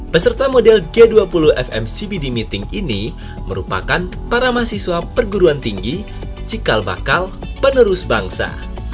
peserta model g dua puluh fmcbd meeting ini merupakan para mahasiswa perguruan tinggi cikal bakal penerus bangsa